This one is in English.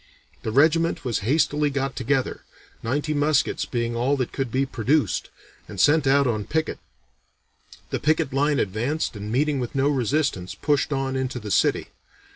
The regiment was hastily got together, ninety muskets being all that could be produced, and sent out on picket. The picket line advanced and meeting with no resistance pushed on into the city.